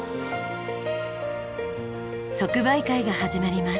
即売会が始まります。